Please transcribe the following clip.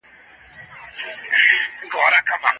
اوسنۍ موندنې یوازې یو څرک دي.